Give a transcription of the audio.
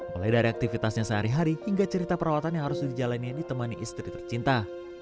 mulai dari aktivitasnya sehari hari hingga cerita perawatan yang harus dijalani ditemani istri tercinta